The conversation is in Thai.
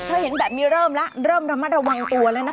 เห็นแบบนี้เริ่มแล้วเริ่มระมัดระวังตัวแล้วนะคะ